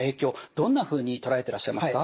どんなふうに捉えてらっしゃいますか？